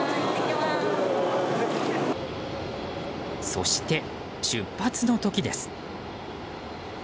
そして出発の時です。